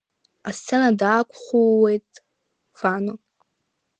Асцена даақәххуеит Вано.